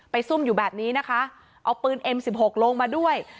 ซุ่มอยู่แบบนี้นะคะเอาปืนเอ็มสิบหกลงมาด้วย